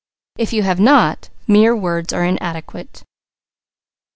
If you have not, mere words are inadequate.